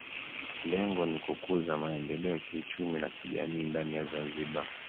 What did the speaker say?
Lengo ni kukuza maendeleo ya kiuchumi na kijamii ndani ya Zanzibar